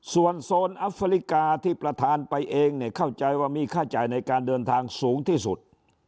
ส่วนโซนอัฟริกาที่ประธานไปเองเนี่ยเข้าใจว่ามีค่าจ่ายในการเดินทางสูงที่สุด